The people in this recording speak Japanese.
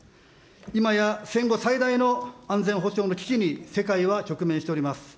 今や戦後最大の安全保障の危機に世界は直面しております。